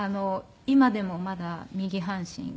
今でもまだ右半身が。